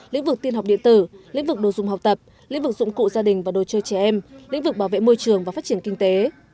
lĩnh vực tiên học điện tử lĩnh vực đồ dùng học tập lĩnh vực dụng cụ gia đình và đồ chơi trẻ em lĩnh vực bảo vệ môi trường và phát triển kinh tế